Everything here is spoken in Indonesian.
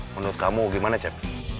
menurut kamu gimana cep